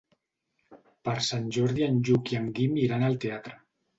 Per Sant Jordi en Lluc i en Guim iran al teatre.